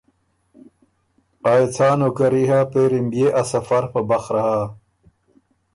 آ يې څا نوکري هۀ پېری م بيې ا سفر په بخرۀ هۀ